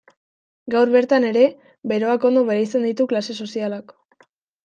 Gaur bertan ere beroak ondo bereizten ditu klase sozialak.